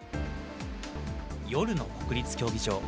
夜の国立競技場。